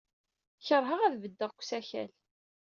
Keṛheɣ ad beddeɣ deg usakal.